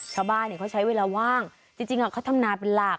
ชาวบ้านเขาใช้เวลาว่างจริงเขาทำนาเป็นหลัก